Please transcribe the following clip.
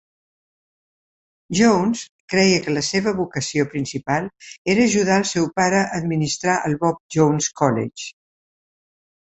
Jones creia que la seva vocació principal era ajudar el seu pare a administrar el Bob Jones College.